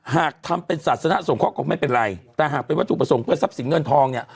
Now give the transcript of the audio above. หากทำเป็นศาสนาสงเคราะหไม่เป็นไรแต่หากเป็นวัตถุประสงค์เพื่อทรัพย์สินเงินทองเนี่ย